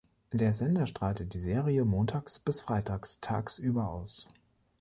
Der Sender strahlte die Serie montags bis freitags tagsüber aus.